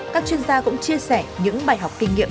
các chuyên gia cũng chia sẻ những bài học kinh nghiệm